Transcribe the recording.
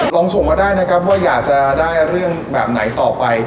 ส่งมาได้นะครับว่าอยากจะได้เรื่องแบบไหนต่อไป